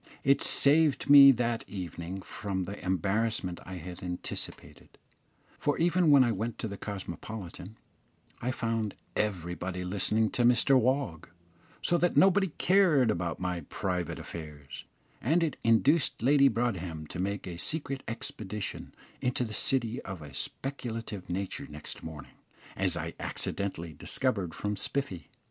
It saved me that evening from the embarrassment I had anticipated; for even when I went to the Cosmopolitan, I found everybody listening to Mr Wog, so that nobody cared about my private affairs, and it induced Lady Broadhem to make a secret expedition into the City of a speculative nature next morning, as I accidentally discovered from Spiffy.